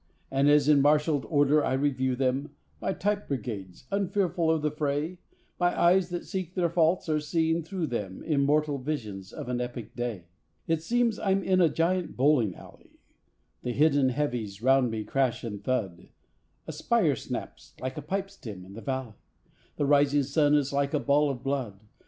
And as in marshalled order I review them, My type brigades, unfearful of the fray, My eyes that seek their faults are seeing through them Immortal visions of an epic day. It seems I'm in a giant bowling alley; The hidden heavies round me crash and thud; A spire snaps like a pipe stem in the valley; The rising sun is like a ball of blood.